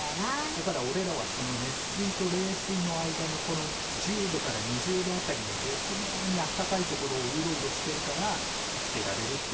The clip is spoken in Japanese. だからおれらはその熱水と冷水の間のこの１０度から２０度辺りのぜつみょうにあったかい所をウロウロしてるから生きてられるっていうね。